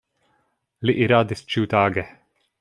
Li iradis ĉiutage.